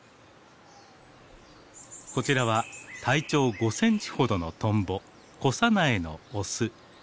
こちらは体長５センチほどのトンボコサナエのオス。